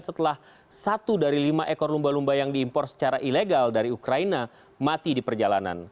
setelah satu dari lima ekor lumba lumba yang diimpor secara ilegal dari ukraina mati di perjalanan